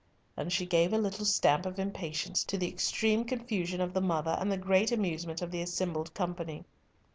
and she gave a little stamp of impatience, to the extreme confusion of the mother and the great amusement of the assembled company.